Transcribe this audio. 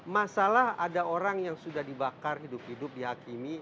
masalah ada orang yang sudah dibakar hidup hidup dihakimi